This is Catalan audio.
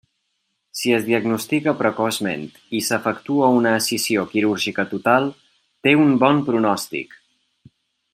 Si es diagnostica precoçment i s'efectua una escissió quirúrgica total, té un bon pronòstic.